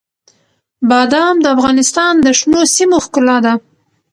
بادام د افغانستان د شنو سیمو ښکلا ده.